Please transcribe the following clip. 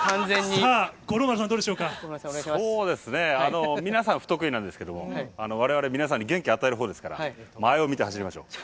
さあ、そうですね、皆さん、不得意なんですけども、われわれ、皆さんに元気与えるほうですから、前を見て走りましょう。